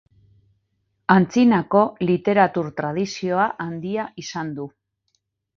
Antzinako literatur tradizioa handia izan du.